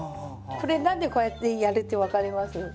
これ何でこうやってやるって分かります？